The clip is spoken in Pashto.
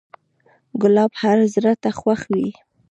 ګلاب هر زړه ته خوښ وي.